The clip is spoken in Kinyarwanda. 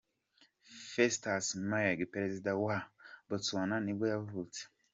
Festus Mogae, perezida wa wa Botswana nibwo yavutse.